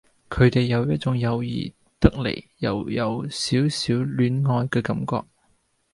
佢哋有一種友誼得嚟又有少少戀愛嘅感覺